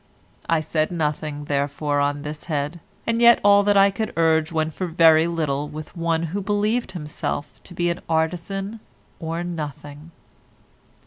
I said nothing, therefore, on this head, and yet all that I could urge went for very little with one who believed himself to be an artisan or nothing.